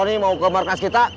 ini mau ke markas kita